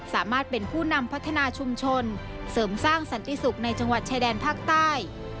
สามารถเป็นผู้นำพัฒนาชุมชนเสริมสร้างสันติศุกร์ในจังหวัดชายแดนภาคใต้